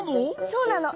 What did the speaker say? そうなの！